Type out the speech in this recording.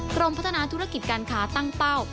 กรมพัฒนาธุรกิจการค้าตั้งเป้า